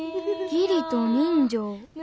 義理と人情。